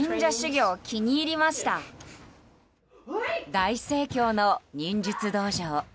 大盛況の忍術道場。